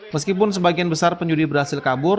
meskipun sebagian besar penyudi berhasil kabur